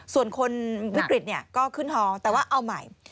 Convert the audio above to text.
ส่วนคนวิกฤตก็ขึ้นฮอแต่ว่าเอาใหม่